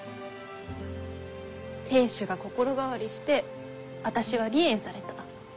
亭主が心変わりして私は離縁された。